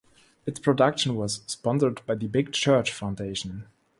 Its production was sponsored by the Big Church Foundation.